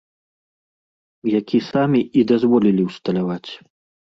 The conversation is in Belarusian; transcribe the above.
Які самі і дазволілі ўсталяваць.